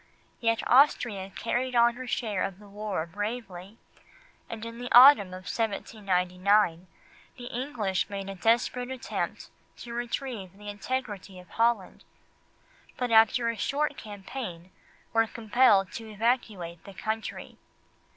Yet Austria carried on her share of the war bravely, and in the autumn of 1799 the English made a desperate attempt to retrieve the integrity of Holland, but after a short campaign were compelled to evacuate the country.